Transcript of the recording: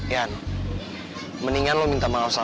yan mendingan lo minta mahasiswa lo